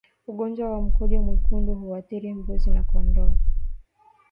Ugonjwa wa mkojo mwekundu huathiri mbuzi na kondoo